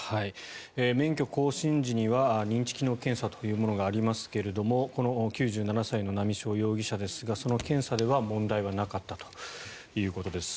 免許更新時には認知機能検査というものがありますがこの９７歳の波汐容疑者ですがその検査では問題はなかったということです。